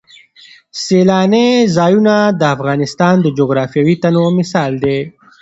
سیلانی ځایونه د افغانستان د جغرافیوي تنوع مثال دی.